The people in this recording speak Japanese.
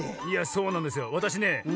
いやそうなんですよ。わたしね